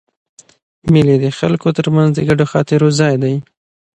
مېلې د خلکو تر منځ د ګډو خاطرو ځای دئ.